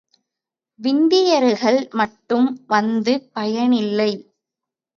விந்துயிர்கள் மட்டும் வந்து பயனில்லை.